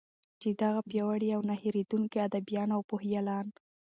چې دغه پیاوړي او نه هیردونکي ادېبان او پوهیالان